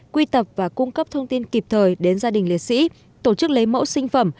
quy tập và cung cấp thông tin kịp thời đến gia đình liệt sĩ tổ chức lấy mẫu sinh phẩm